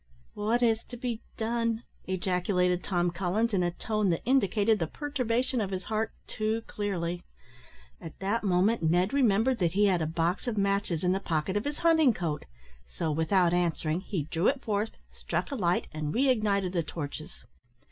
"What is to be done?" ejaculated Tom Collins in a tone that indicated the perturbation of his heart too clearly. At that moment Ned remembered that he had a box of matches in the pocket of his hunting coat; so, without answering, he drew it forth, struck a light, and re ignited the torches.